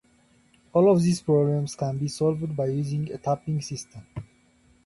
All of these problems can be solved by using a Tapping system.